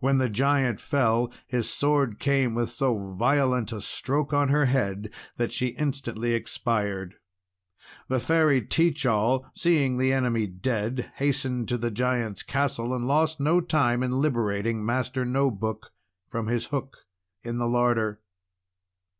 When the Giant fell, his sword came with so violent a stroke on her head that she instantly expired. The Fairy Teach All, seeing the enemy dead, hastened to the Giant's Castle, and lost no time in liberating Master No Book from his hook in the larder.